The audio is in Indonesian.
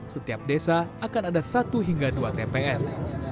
setiap desa akan ada satu hingga dua tps